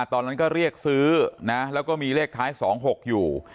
ตอนนั้นก็เรียกซื้อนะแล้วก็มีเลขท้าย๒๖อยู่